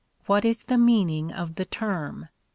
What is the meaning of the term